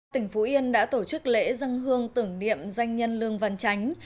tỉnh phú yên đã tổ chức lễ dân hương tưởng niệm danh nhân lương văn chánh